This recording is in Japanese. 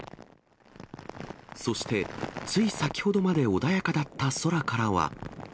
そして、つい先ほどまで穏やかだった空からは。